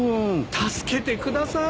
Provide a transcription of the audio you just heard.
助けてください！